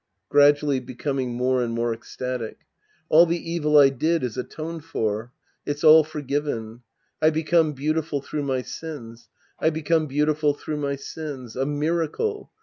{Gradually becoming more and more ecstatic^ All the evil I did is atoned for. It's all forgiven. I become beautiful through my sins. I become beautiful through my sins. A miracle